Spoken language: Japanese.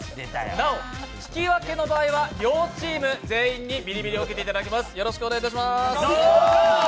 なお引き分けの場合は両チーム全員にビリビリ椅子を受けていただきます。